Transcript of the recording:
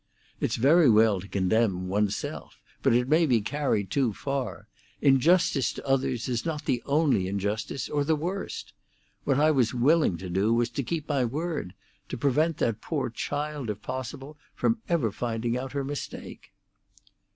It's very well to condemn one's self, but it may be carried too far; injustice to others is not the only injustice, or the worst. What I was willing to do was to keep my word—to prevent that poor child, if possible, from ever finding out her mistake."